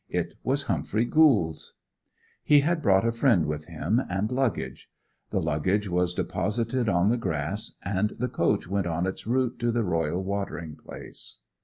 It was Humphrey Gould's. He had brought a friend with him, and luggage. The luggage was deposited on the grass, and the coach went on its route to the royal watering place.